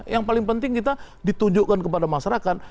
yang paling penting kita ditunjukkan kepada masyarakat